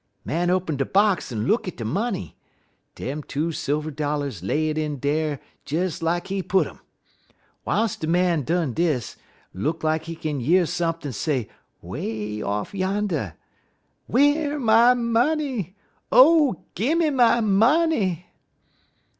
_ Man open de box en look at de money. Dem two silver dollars layin' in dar des like he put um. W'iles de man dun dis, look like he kin year sump'n' say 'way off yander: "'_Whar my money? Oh, gim me my money!